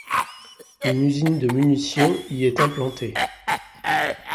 Une usine de munitions y est implanté.